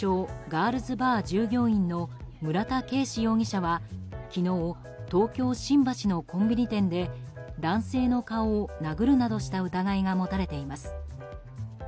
ガールズバー従業員の村田圭司容疑者は昨日東京・新橋のコンビニ店で男性の顔を殴るなどした疑いが持たれています。